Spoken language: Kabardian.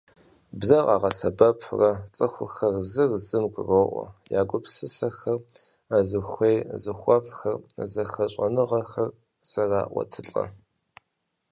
Бзэр къагъэсэбэпурэ цӀыхухэр зыр зым гуроӀуэ, я гупсысэхэр, зыхуей–зыхуэфӀхэр, зэхэщӀэныгъэхэр зэраӀуэтылӀэ.